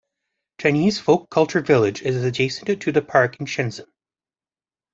Chinese Folk Culture Village is adjacent to the park in Shenzhen.